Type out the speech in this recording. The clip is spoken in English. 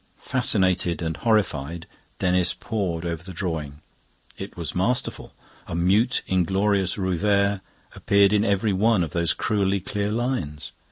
Fascinated and horrified, Denis pored over the drawing. It was masterful. A mute, inglorious Rouveyre appeared in every one of those cruelly clear lines.